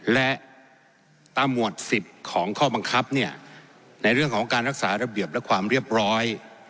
และตามหมวดสิทธิ์ของข้อบังคับเนี่ยในเรื่องของการรักษาระเบียบและความเรียบร้อย